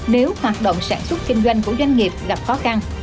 nếu hoạt động sản xuất kinh doanh của doanh nghiệp gặp khó khăn